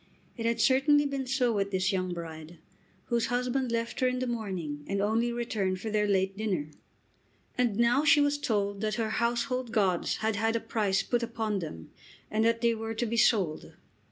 It had certainly been so with this young bride, whose husband left her in the morning and only returned for their late dinner. And now she was told that her household gods had had a price put upon them and that they were to be sold.